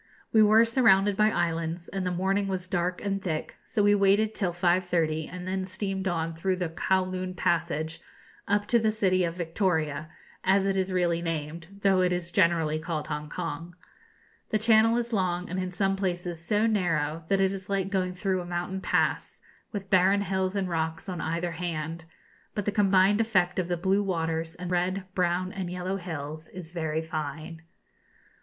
We were surrounded by islands, and the morning was dark and thick; so we waited till 5.30, and then steamed on through the Kowloon passage up to the city of Victoria, as it is really named, though it is generally called Hongkong. The channel is long, and in some places so narrow that it is like going through a mountain pass, with barren hills and rocks on either hand; but the combined effect of the blue waters, and red, brown, and yellow hills, is very fine.